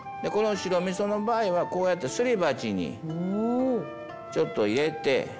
この白みその場合はこうやってすり鉢にちょっと入れて